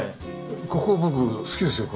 ここ僕好きですよ。